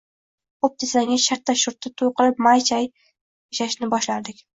– Xo‘p desangiz, shartta-shurtta to‘y qilib, may-chay yashashni boshlardik